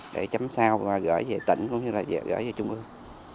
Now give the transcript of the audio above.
để chấm sao và gửi về tỉnh cũng như là gửi về trung ương